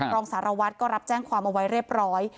รองสารวัตรก็รับแจ้งความเอาไว้เรียบร้อย